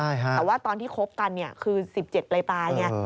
แต่ว่าตอนที่คบกันเนี่ยคือ๑๗ปลายเนี่ย